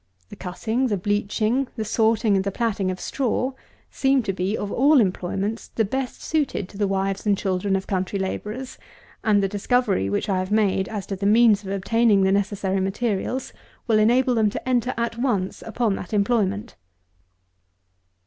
The cutting, the bleaching, the sorting, and the platting of straw, seem to be, of all employments, the best suited to the wives and children of country labourers; and the discovery which I have made, as to the means of obtaining the necessary materials, will enable them to enter at once upon that employment.